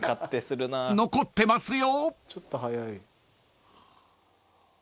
［残ってますよ！］